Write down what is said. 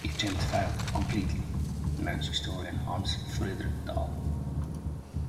"The attempt failed completely", notes historian Hans Fredrik Dahl.